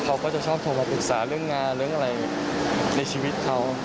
เขาก็จะชอบโทรมาปรึกษาเรื่องงานเรื่องอะไรในชีวิตเขา